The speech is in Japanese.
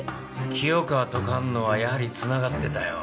清川と菅野はやはりつながってたよ。